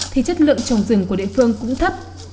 thì chất lượng trồng rừng của địa phương cũng thấp